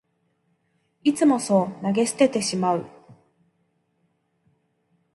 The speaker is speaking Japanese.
いつもそう投げ捨ててしまう